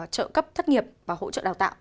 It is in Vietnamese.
trợ cấp thất nghiệp và hỗ trợ đào tạo